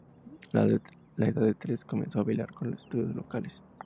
A la edad de tres, comenzó a bailar en los estudios locales.